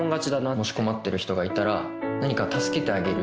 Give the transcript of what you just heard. もし困ってる人がいたら何か助けてあげるっていう。